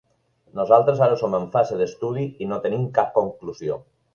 Nosaltres ara som en fase d’estudi i no tenim cap conclusió.